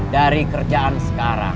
dari kerjaan sekarang